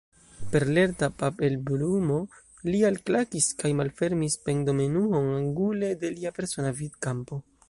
Per lerta palpebrumo li alklakis kaj malfermis pendomenuon angule de lia persona vidkampo.